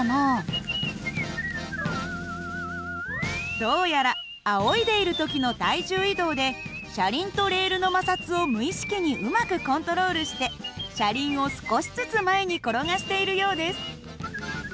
どうやらあおいでいる時の体重移動で車輪とレールの摩擦を無意識にうまくコントロールして車輪を少しずつ前に転がしているようです。